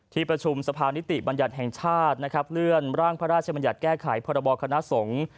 ที่ประชุมสภานิติบัญญัติแห่งชาตินะครับเลื่อนร่างพระราชบัญญัติแก้ไขพรบคณะสงฆ์